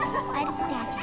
mau air putih aja